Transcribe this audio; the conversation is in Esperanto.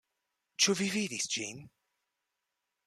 Ĉu vi vidis ĝin?